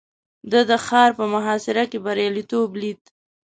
ده د ښار په محاصره کې برياليتوب ليد.